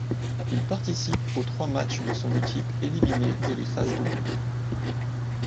Il participe aux trois matchs de son équipe éliminée dès les phases de groupe.